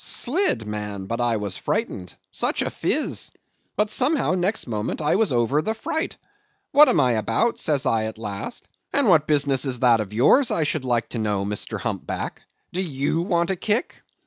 Slid! man, but I was frightened. Such a phiz! But, somehow, next moment I was over the fright. 'What am I about?' says I at last. 'And what business is that of yours, I should like to know, Mr. Humpback? Do you want a kick?